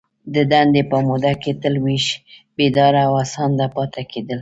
د دندي په موده کي تل ویښ ، بیداره او هڅانده پاته کیدل.